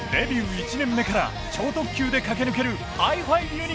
１年目から超特急で駆け抜けるＨｉ−ＦｉＵｎ！